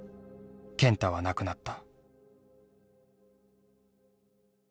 健太は亡くなった。